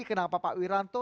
kenapa pak wiranto